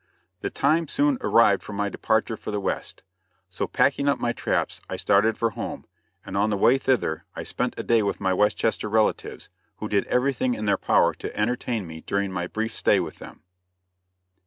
The time soon arrived for my departure for the West; so packing up my traps I started for home, and on the way thither I spent a day with my Westchester relatives, who did everything in their power to entertain me during my brief stay with them.